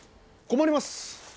困ります？